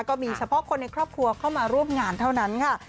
ก็มีเฉพาะคนในครอบครัวเข้ามาร่วมงานเท่านั้นค่ะ